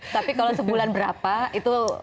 tapi kalau sebulan berapa itu